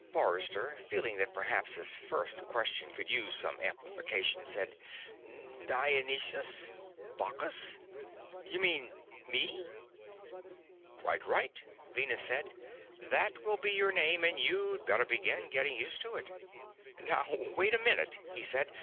Forrester, feeling that perhaps his first question could use some amplification, said: "Dionysus? Bacchus? You mean me?" "Quite right," Venus said. "That will be your name, and you'd better begin getting used to it." "Now wait a minute!" he said.